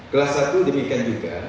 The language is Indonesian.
kelas satu demikian juga